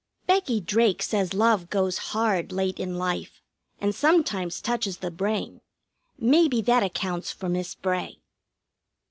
Becky Drake says love goes hard late in life, and sometimes touches the brain. Maybe that accounts for Miss Bray.